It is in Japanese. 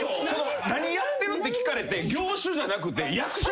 「何やってる？」って聞かれて業種じゃなくて役職！？